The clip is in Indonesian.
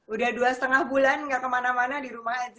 udah dua lima bulan gak kemana mana di rumah aja